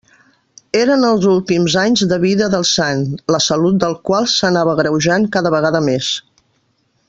Eren els últims anys de vida del sant, la salut del qual s'anava agreujant cada vegada més.